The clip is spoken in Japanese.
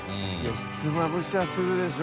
ひつまぶしはするでしょ